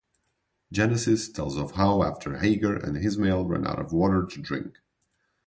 Genesis tells of how after Hagar and Ishmael ran out of water to drink.